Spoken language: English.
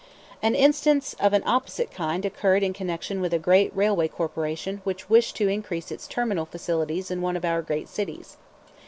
An instance of an opposite kind occurred in connection with a great railway corporation which wished to increase its terminal facilities in one of our great cities.